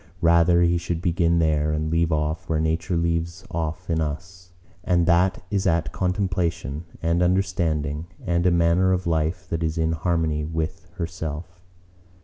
Rather he should begin there, and leave off where Nature leaves off in us: and that is at contemplation, and understanding, and a manner of life that is in harmony with herself.